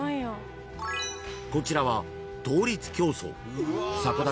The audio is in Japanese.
［こちらは］